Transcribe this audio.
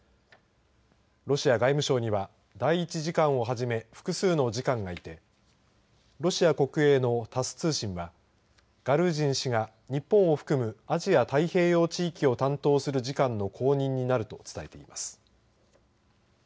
ロシア外務省には第１次官をはじめ複数の次官がいてロシア国営のタス通信はガルージン氏が日本を含むアジア太平洋地域を担当する次官の後任になると伝えています。